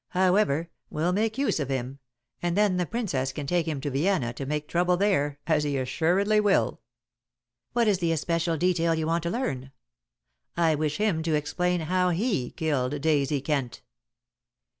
However, we'll make use of him, and then the Princess can take him to Vienna to make trouble there, as he assuredly will." "What is the especial detail you want to learn?" "I wish him to explain how he killed Daisy Kent."